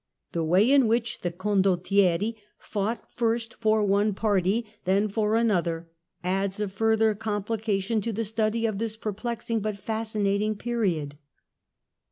The way in which the condottieri fought first for one party then for another adds a further com plication to the study of this perplexing but fascinating period.